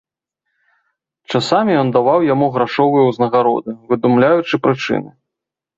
Часамі ён даваў яму грашовыя ўзнагароды, выдумляючы прычыны.